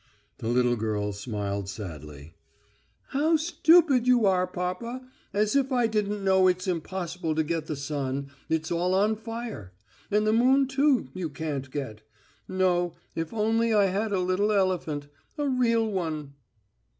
'" The little girl smiled sadly. "How stupid you are, papa! As if I didn't know it's impossible to get the sun, it's all on fire. And the moon, too, you can't get. No, if only I had a little elephant ... a real one."